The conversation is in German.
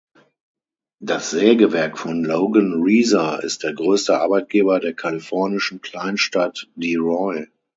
Das Sägewerk von Logan Reeser ist der größte Arbeitgeber der kalifornischen Kleinstadt Deroy.